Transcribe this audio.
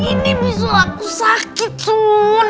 ini bisa laku sakit sun